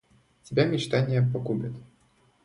Тебя мечтания погубят.